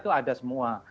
itu ada dua semua